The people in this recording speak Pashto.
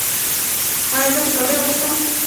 ایا زه پکوړې وخورم؟